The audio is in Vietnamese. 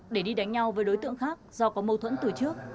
để đi đánh nhau với đối tượng khác do có mâu thuẫn từ trước